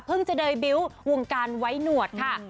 เพิ่งจะเดบิวต์วงการไว้หนวดค่ะ